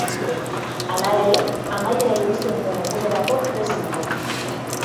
Hala ere, amaiera iristen den egunerako prest nago.